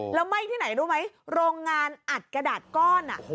แล้วไหม้ที่ไหนรู้ไหมโรงงานอัดกระดาษก้อน